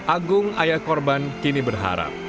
agung ayah korban kini berharap